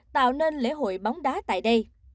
tạo nên lễ hội bóng đá tại đây